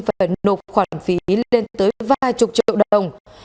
phải nộp khoản phí lên tới ba mươi triệu đồng